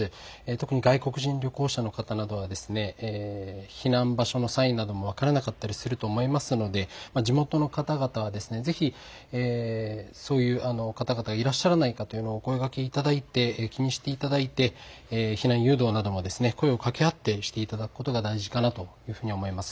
特に外国人旅行者の方などは避難場所のサインなども分からなかったりすると思いますので地元の方々はぜひそういう方々がいらっしゃらないかということをお声がけいただいて気にしていただいて避難誘導なども、声をかけ合ってしていただくことが大事かなと思います。